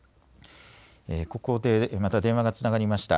ここでまた電話がつながりました。